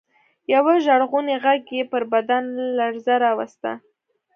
يوه ژړغوني غږ يې پر بدن لړزه راوسته.